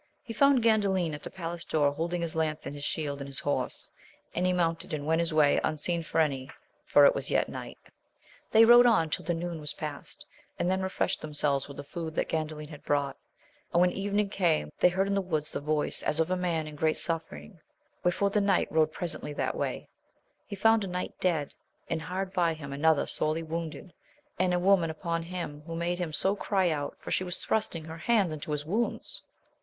He found Gandalin at the palace door holding his lance and his shield, and his horse ; and he mounted and went his way, unseen of any, for it was yet night. * An awkward word, but mi Donzel cannot h«TO \» T«t^^«t^^ otberwiae, VOL. L 'h 34 AMADIS OF GAUL They rode on till the noon was past, and then re freshed themselves with the food which Gandaliii had brought. And when evening came, they heard in the wood the voice as of a man in great suffering ; where fore the knight rode presently that way. He found a knight dead, and hard by him another sorely wounded, and a woman upon him, who made him so cry out, for she was thrusting her hands into his wounds.